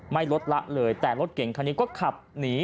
ไม่ลดละเลยแต่รถเก่งคันนี้ก็ขับหนี